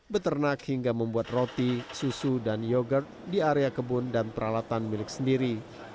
beternak hingga membuat roti susu dan yoghurt di area kebun dan peralatan milik sendiri